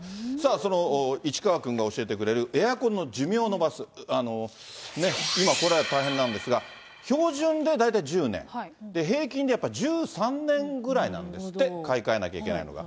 その市川君が教えてくれるエアコンの寿命を延ばす、今コロナで大変なんですが、標準が大体１０年、平均でやっぱり１３年ぐらいなんですって、買い替えなきゃいけないのが。